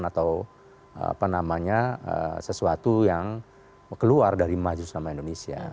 atau sesuatu yang keluar dari majelis selama indonesia